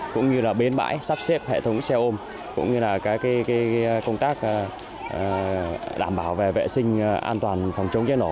cũng như bến bãi sắp xếp hệ thống xe ôm cũng như công tác đảm bảo về vệ sinh an toàn phòng chống chế nổ